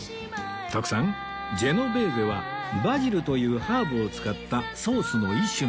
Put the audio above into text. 徳さんジェノベーゼはバジルというハーブを使ったソースの一種なんです